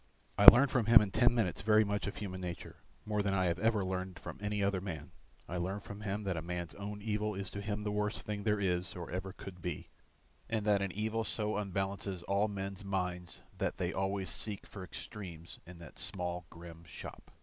I learned from him in ten minutes very much of human nature, more than I have ever learned from any other man; I learned from him that a man's own evil is to him the worst thing there is or ever could be, and that an evil so unbalances all men's minds that they always seek for extremes in that small grim shop.